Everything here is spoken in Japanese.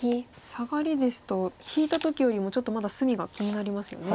サガリですと引いた時よりもちょっとまだ隅が気になりますよね。